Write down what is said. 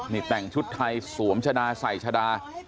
นี่แต่งชุดไทยสวมชะดาใส่ชะดา